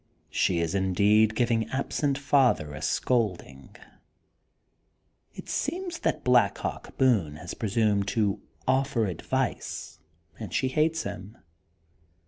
She is, indeed, giving absent father a scolding. It se^ms that Black Hawk Boone has presumed to "offer advice.'' And she hates him.''